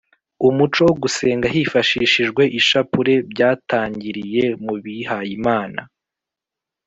umuco wo gusenga hifashishijwe ishapule byatangiriye mu bihayimana